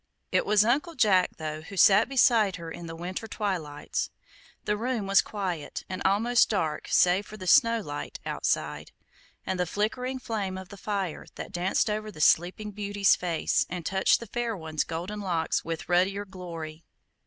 It was Uncle lack, though, who sat beside her in the winter twilights. The room was quiet, and almost dark, save for the snow light outside, and the flickering flame of the fire, that danced over the "Sleeping Beauty's" face, and touched the Fair One's golden locks with ruddier glory.